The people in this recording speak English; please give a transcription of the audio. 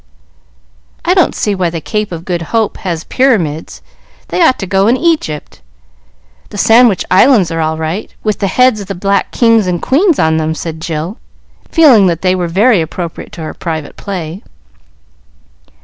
"I don't see why the Cape of Good Hope has pyramids. They ought to go in Egypt. The Sandwich Islands are all right, with heads of the black kings and queens on them," said Jill, feeling that they were very appropriate to her private play.